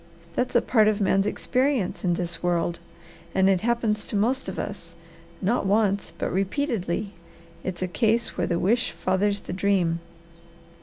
That's a part of a man's experience in this world, and it happens to most of us, not once, but repeatedly. It's a case where the wish fathers the dream."